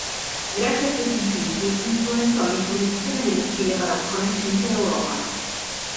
Grazie a questi dipinti influenzò l'introduzione dello stile barocco nel centro Europa.